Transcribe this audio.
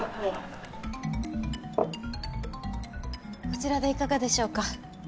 こちらでいかがでしょうか？